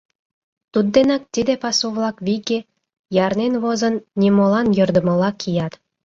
Тудденак тиде пасу-влак виге, ярнен возын, нимолан йӧрдымыла кият.